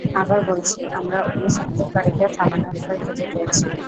আবার বলছি, আমরা অগ্নিসংযোগকারীকে থামানোর উপায় খুঁজে পেয়েছি।